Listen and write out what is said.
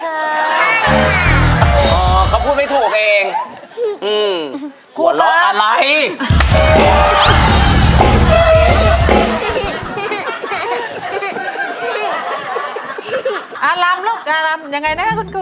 อารมณ์ลูกอารมยังไงนะคะคุณคุณ